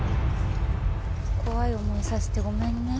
怖い思いさせてごめんね